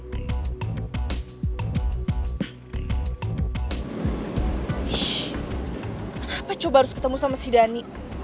kenapa coba harus ketemu sama si dani